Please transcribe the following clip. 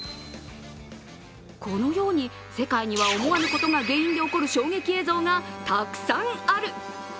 このように、世界には思わぬことが原因で起こる衝撃映像がたくさんある。